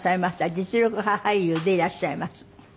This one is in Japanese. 実力派俳優でいらっしゃいます。